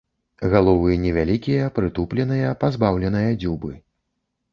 Галовы невялікія, прытупленыя, пазбаўленыя дзюбы.